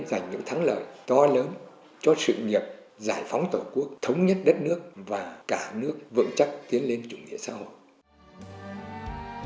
giành những thắng lợi to lớn cho sự nghiệp giải phóng tổ quốc thống nhất đất nước và cả nước vững chắc tiến lên chủ nghĩa xã hội